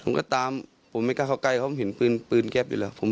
ผมก็ตามผมไม่กล้าเข้าใกล้เขาเห็นปืนแก๊ปอยู่แล้ว